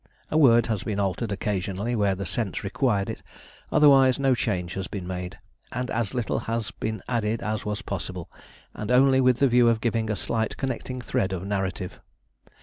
A word has been altered occasionally where the sense required it, otherwise no change has been made, and as little has been added as was possible, and only with the view of giving a slight connecting thread of narrative.